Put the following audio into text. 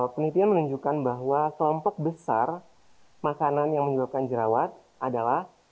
penelitian menunjukkan bahwa kelompok besar makanan yang menyebabkan jerawat adalah